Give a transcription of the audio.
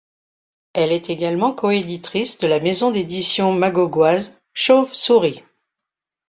Elle est également coéditrice de la maison d'édition magogoise Chauve-souris.